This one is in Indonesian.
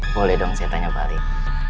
boleh dong saya tanya balik